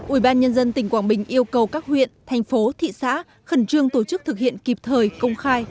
ủy ban nhân dân tỉnh quảng bình yêu cầu các huyện thành phố thị xã khẩn trương tổ chức thực hiện kịp thời công khai